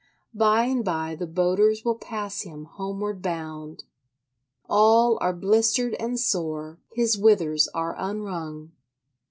By and by the boaters will pass him homeward bound. All are blistered and sore: his withers are unwrung.